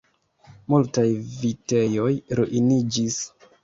Multaj vitejoj ruiniĝis!